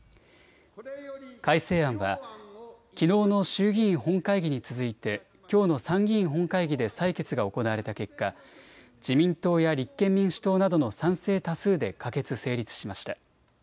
改正案はきのうの衆議院本会議に続いてきょうの参議院本会議で採決が行われた結果、自民党や立憲民主党などの賛成多数で可決・成立しました。